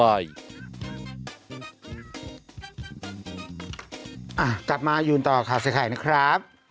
อ่ะกลับมายูนต่อค่ะสีไข่นะครับ